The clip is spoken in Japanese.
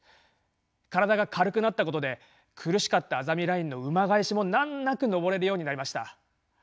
身体が軽くなったことで苦しかったあざみラインの馬返しも難なく上れるようになりました。